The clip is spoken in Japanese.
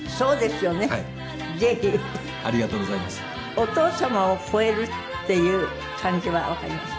お父様を超えるっていう感じはありますか？